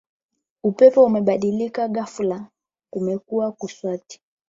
Upepo umebadilika gafula kumekuwa kuswati